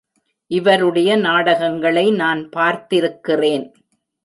இவருடைய நாடகங்களை நான் பார்த்திருக்கிறேன்.